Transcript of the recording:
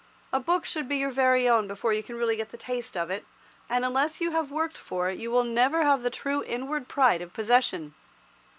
A book should be your very own before you can really get the taste of it, and unless you have worked for it, you will never have the true inward pride of possession.